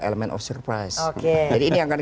element of surprise oke jadi ini yang akan